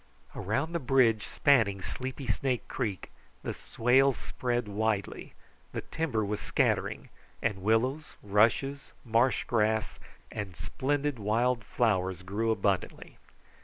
Around the bridge spanning Sleepy Snake Creek the swale spread widely, the timber was scattering, and willows, rushes, marsh grass, and splendid wild flowers grew abundantly.